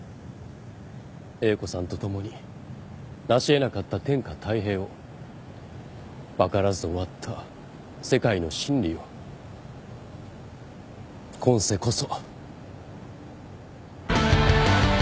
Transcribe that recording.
英子さんと共になしえなかった天下泰平を分からず終わった世界の真理を今世こそ。